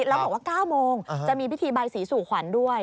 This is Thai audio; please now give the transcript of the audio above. แล้วบอกว่า๙โมงจะมีพิธีใบสีสู่ขวัญด้วย